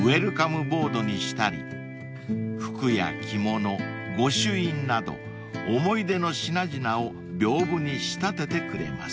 ボードにしたり服や着物ご朱印など思い出の品々を屏風に仕立ててくれます］